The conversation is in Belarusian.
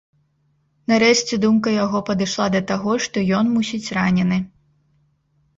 Нарэшце думка яго падышла да таго, што ён, мусіць, ранены.